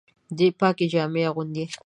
دی پاکي جامې اغوندي.